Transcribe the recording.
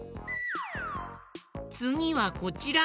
つぎはこちら。